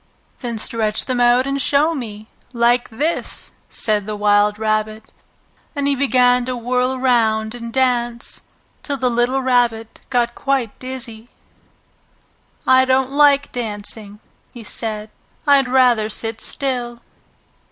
"Then stretch them out and show me, like this!" said the wild rabbit. And he began to whirl round and dance, till the little Rabbit got quite dizzy. "I don't like dancing," he said. "I'd rather sit still!"